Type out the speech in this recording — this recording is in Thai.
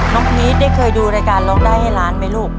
พีชได้เคยดูรายการร้องได้ให้ล้านไหมลูก